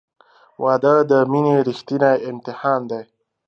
• واده د مینې ریښتینی امتحان دی.